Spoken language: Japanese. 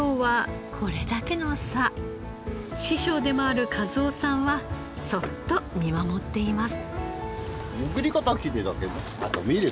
師匠でもある一男さんはそっと見守っています。